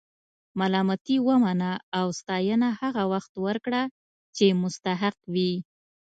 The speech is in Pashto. ملامتي ومنه او ستاینه هغه وخت ورکړه چې مستحق وي.